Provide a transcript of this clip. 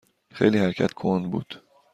خیلی حرکت کند بود.